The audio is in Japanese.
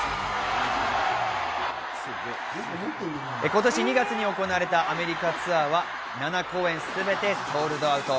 今年２月に行われたアメリカツアーは７公演すべてソールドアウト。